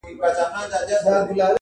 تورې موږ وکړې ګټه تا پورته کړه,